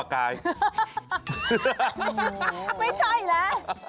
ไม่ใช่แหละ